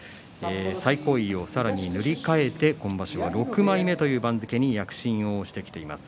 最高位をさらに塗り替えて今場所は６枚目という番付に躍進してきています。